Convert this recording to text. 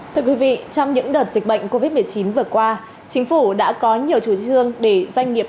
thưa quý vị trong những đợt dịch bệnh covid một mươi chín vừa qua chính phủ đã có nhiều chủ trương để doanh nghiệp